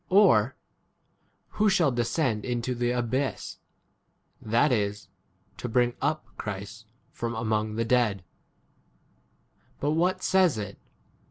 Or, Who shall descend into the abyss ? That is, to bring up Christ from among 8 [the] dead. But what says it